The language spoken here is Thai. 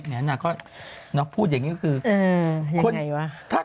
แล้วก็คิดว่า